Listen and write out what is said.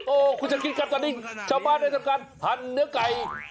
โอ้โหคุณชะคิดครับตอนนี้ชาวบ้านได้ทำการหั่นเนื้อไก่